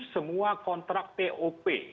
semua kontrak pop